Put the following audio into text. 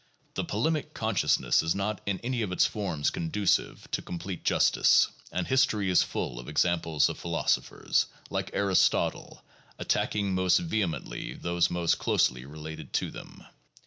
The polemic consciousness is not in any of its forms conducive to complete justice, and history is full of examples of philosophers, like Aristotle, attacking most ve hemently those most closely related to them.